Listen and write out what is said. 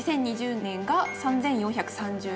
２０２０年が３，４３０円。